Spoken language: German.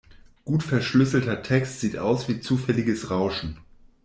Gut verschlüsselter Text sieht aus wie zufälliges Rauschen.